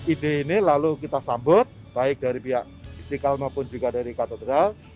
ide ini lalu kita sambut baik dari pihak istiqlal maupun juga dari katedral